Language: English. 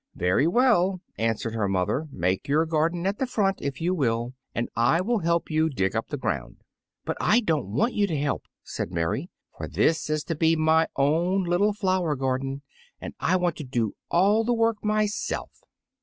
"Very well," answered her mother, "make your garden at the front, if you will, and I will help you to dig up the ground." "But I don't want you to help," said Mary, "for this is to be my own little flower garden, and I want to do all the work myself."